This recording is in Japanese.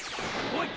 おい。